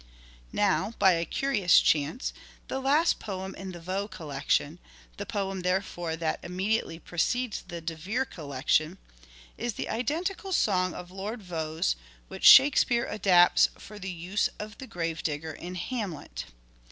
Now, by a curious chance, the last poem in the " Vaux " collection, the poem therefore that immediately precedes the De Vere collection, is the identical song of Lord Vaux' which " Shakespeare " adapts for the use of the gravedigger in " Hamlet."